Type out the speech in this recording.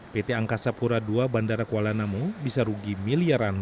pt angkasa pura ii bandara kuala namu bisa rugi miliaran